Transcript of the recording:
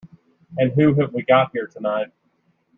And who have we got here tonight?